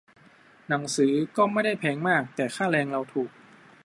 หนังสือก็ไม่ได้แพงมาก แต่ค่าแรงเราถูก